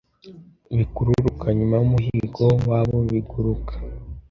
bikururuka nyuma yumuhigo wabobiguruka